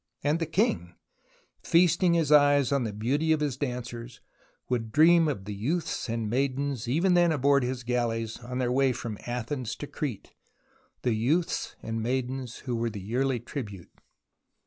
And the king, feasting his eyes on the beauty of his dancers, would dream of the youths and maidens even then aboard his galleys on their way from Athens to Crete, the youths and maidens who were the yearly tribute.